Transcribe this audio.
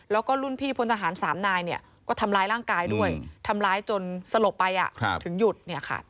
แล้วก็รุ่นพี่พลทหาร๓นายเนี่ยก็ทำร้ายร่างกายด้วยทำร้ายจนสลบไปถึงหยุดเนี่ยค่ะ